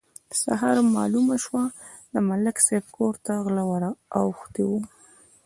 سهار مالومه شوه: د ملک صاحب کور ته غله ور اوښتي وو.